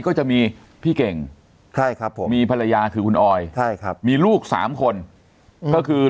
ก็จะมีพี่เก่งใช่ครับผมมีภรรยาคือคุณออยใช่ครับมีลูกสามคนก็คือ